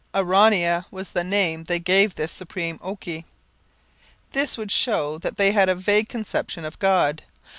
Aronhia was the name they gave this supreme oki. This would show that they had a vague conception of God.